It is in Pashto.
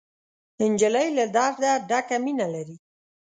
نجلۍ له درده ډکه مینه لري.